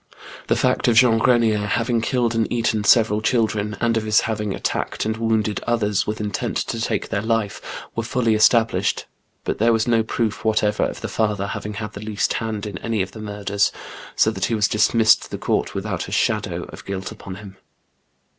The fact of Jean Grenier having killed and eaten several children, and of his having attacked and wounded others, with intent to take their life, were folly esta blished ; but there was no proof whatever of the father having had the least hand in any of the murders, so that he was dismissed the court without a shadow of guilt upon him.